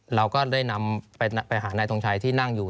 เราก็ได้นำไปหานายทงชัยที่นั่งอยู่